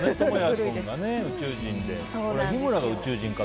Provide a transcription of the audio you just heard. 倫也君が宇宙人で。